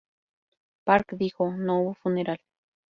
Park dijo, "No hubo funeral.